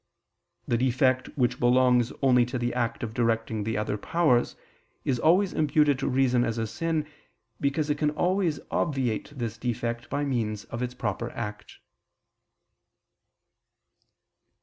The defect which belongs only to the act of directing the other powers, is always imputed to reason as a sin, because it can always obviate this defect by means of its proper act.